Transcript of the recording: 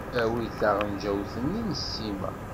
Awi-d taɣenǧawt-nni n ssima.